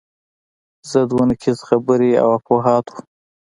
ضد و نقیض خبرې او افواهات وو.